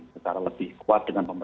secara lebih kuat dengan pemerintah